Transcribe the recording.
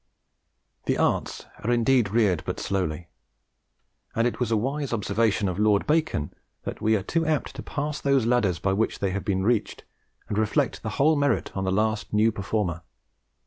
The arts are indeed reared but slowly; and it was a wise observation of Lord Bacon that we are too apt to pass those ladders by which they have been reared, and reflect the whole merit on the last new performer.